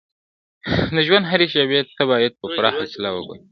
د ژوند هرې شېبې ته باید په پوره حوصله وګورو.